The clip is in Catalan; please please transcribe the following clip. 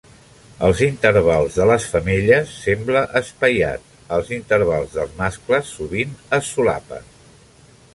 Els intervals de les femelles sembla espaiat; els intervals dels mascles sovint es solapen.